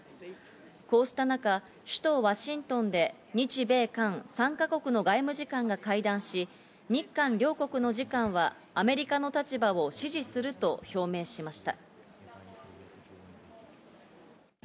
こうした中、首都・ワシントンで日米韓３か国の外務次官が会談し、日韓両国の次官はアメリカの立場を支持すると表明しました。